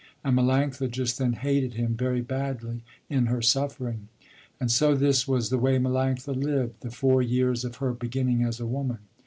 And Melanctha just then hated him very badly in her suffering. And so this was the way Melanctha lived the four years of her beginning as a woman.